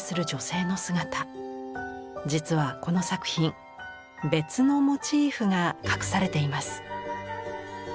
実はこの作品別のモチーフが隠されています。